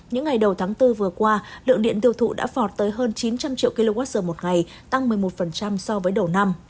những ngày đầu tháng bốn vừa qua lượng điện tiêu thụ đã vọt tới hơn chín trăm linh triệu kwh một ngày tăng một mươi một so với đầu năm